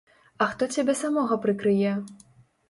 А хто цябе самога прыкрые?